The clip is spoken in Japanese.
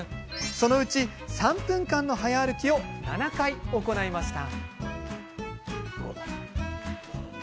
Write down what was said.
そのうち、３分間の早歩きを７回、行いました。